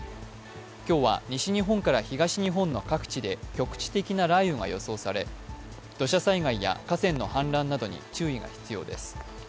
今日は、西日本から東日本の各地で局地的な雷雨が予想され、土砂災害や河川の氾濫などに注意が必要です。